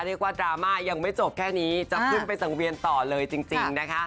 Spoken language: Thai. ดราม่ายังไม่จบแค่นี้จะขึ้นไปสังเวียนต่อเลยจริงนะคะ